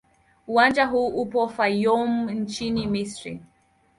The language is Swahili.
Uwanja huu upo Fayoum nchini Misri.